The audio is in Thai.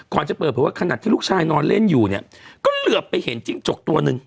จะเปิดเผยว่าขณะที่ลูกชายนอนเล่นอยู่เนี่ยก็เหลือไปเห็นจิ้งจกตัวหนึ่ง